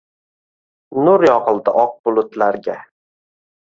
Nur yog’ildi oq bulutlarga.